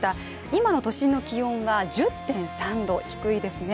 今の都心の気温は１０．３度低いですね。